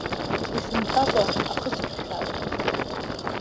Исымҳәакәа, ахы сҿашәароуп.